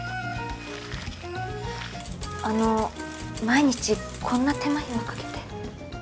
あの毎日こんな手間暇かけて？